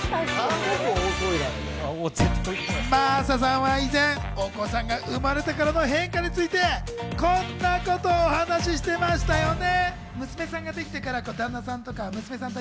真麻さんは以前、お子さんが生まれてからの変化について、こんなことをお話していましたよね。